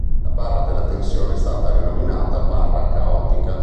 La barra della tensione è stata rinominata barra caotica.